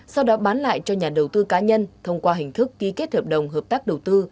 sau đó bán lại cho nhà đầu tư cá nhân thông qua hình thức ký kết hợp đồng hợp tác đầu tư